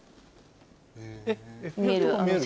見える。